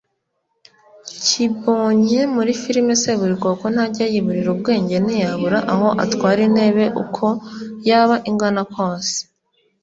Kibonke muri filime Seburikoko ntajya yiburira ubwenge ntiyabura aho atwara intebe uko yaba ingana kose